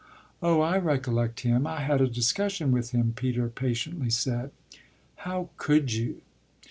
"Oh I recollect him I had a discussion with him," Peter patiently said. "How could you?